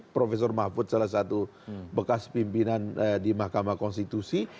profesor mahfud salah satu bekas pimpinan di mahkamah konstitusi